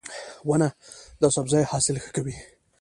• ونه د سبزیو حاصل ښه کوي.